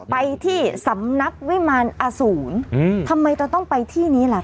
ไปที่สำนักวิมารอสูรทำไมจะต้องไปที่นี้ล่ะค